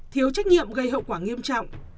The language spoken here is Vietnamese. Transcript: thiếu trách nhiệm gây hậu quả nghiêm trọng